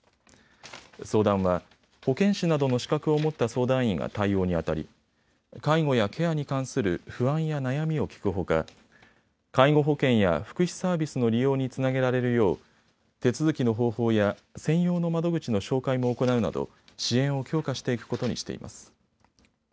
相談は保健師などの資格を持った相談員が対応にあたり介護やケアに関する不安や悩みを聞くほか介護保険や福祉サービスの利用につなげられるよう手続きの方法や専用の窓口の紹介も行うなど支援を強化していくことにしています。